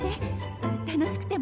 楽しくても節度。